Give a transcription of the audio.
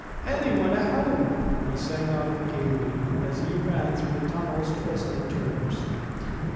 "Anyone at home?" he sang out gaily, as he ran through the tunnel's twists and turns.